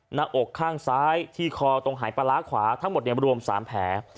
หน้าอกข้างซ้ายที่คอตรงหายปลาร้าขวาทั้งหมดรวม๓แผล